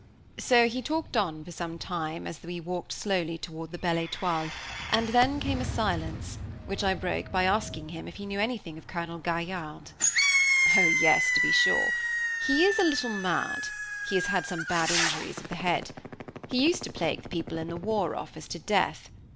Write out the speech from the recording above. So he talked on, for a time, as we walked slowly toward the Belle Étoile, and then came a silence, which I broke by asking him if he knew anything of Colonel Gaillarde. "Oh! yes, to be sure. He is a little mad; he has had some bad injuries of the head. He used to plague the people in the War Office to death.